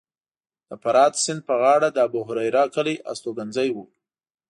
د فرات سیند په غاړه د ابوهریره کلی هستوګنځی و